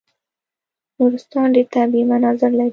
نورستان ډېر طبیعي مناظر لري.